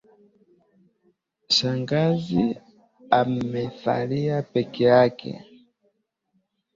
Shangazi amesalia peke yake